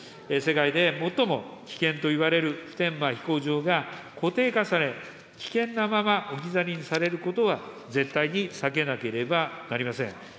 世界で最も危険といわれる普天間飛行場が固定化され、危険なまま置き去りにされることは、絶対に避けなければなりません。